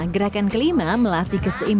gerakan kelima melatih keseimbangan dan komposisi